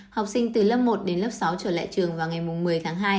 học sinh từ lớp một đến lớp sáu trở lại trường vào ngày một mươi tháng hai